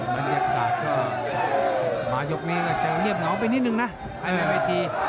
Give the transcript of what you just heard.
บรรยากาศก็มายกนี้ก็จะเงียบเหงาไปนิดนึงนะไอ้เวที